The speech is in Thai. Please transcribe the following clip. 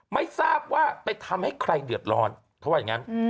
ไม่ทราบว่าไปทำให้ใครเดือดร้อนเขาว่าอย่างนั้น